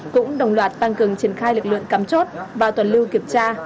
cũng đồng loạt tăng cường triển khai lực lượng cắm chốt và tuần lưu kiểm tra